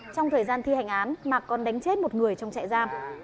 trong thời gian thi hành án mà còn đánh chết một người trong trại giam